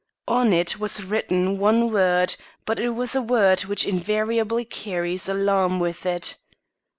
On it was written one word, but it was a word which invariably carries alarm with it.